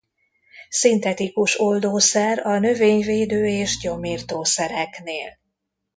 Szintetikus oldószer a növényvédő- és gyomirtó szereknél.